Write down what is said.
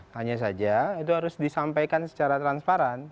hanya saja itu harus disampaikan secara transparan